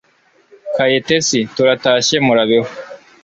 Kayitesi Turatashye murabeho